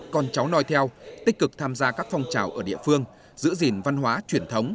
con cháu noi theo tích cực tham gia các phong trào ở địa phương giữ gìn văn hóa truyền thống